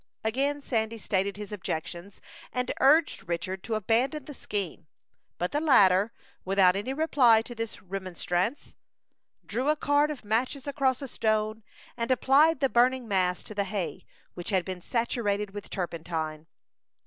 Again Sandy stated his objections, and urged Richard to abandon the scheme; but the latter, without any reply to this remonstrance, drew a card of matches across a stone, and applied the burning mass to the hay which had been saturated with turpentine.